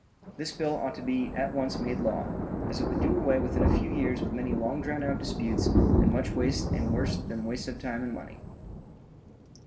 This bill ought to be at once made law, as it would do away within a few years with many long drawn out disputes and much waste and worse than waste of time and money.